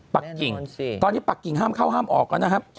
ปากกิ่งตอนนี้ปักกิ่งห้ามเข้าห้ามออกแล้วนะครับ